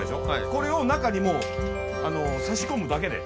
これを中に差し込むだけで。